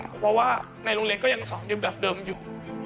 เพราะว่าในโรงเรียนก็ยังสอนอยู่แบบเดิมอยู่